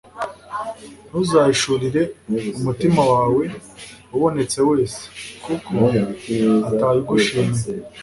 ntuzahishurire umutima wawe ubonetse wese, kuko atabigushimira